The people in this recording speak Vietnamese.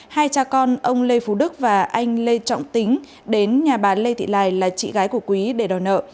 hai cha con ông lê phú đức và anh lê trọng tính đến nhà bà lê thị lài là chị gái của quý để đòi nợ